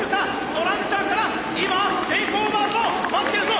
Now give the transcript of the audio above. トランチャーから今テイクオーバーゾーン待ってるぞ！